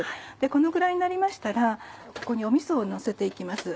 このぐらいになりましたらここにみそをのせて行きます。